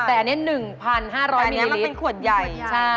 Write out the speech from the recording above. อันนี้มันเป็นขวดใหญ่